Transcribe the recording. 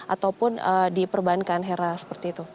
ataupun di perbankan hera seperti itu